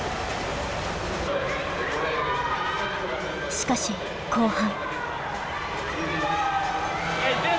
しかし後半。